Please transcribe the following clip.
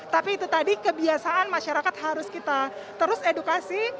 tapi itu tadi kebiasaan masyarakat harus kita terus edukasi